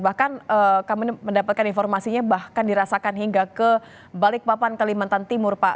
bahkan kami mendapatkan informasinya bahkan dirasakan hingga ke balikpapan kalimantan timur pak